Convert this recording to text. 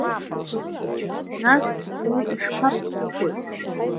Нас, уи ишԥаԥсыхәои?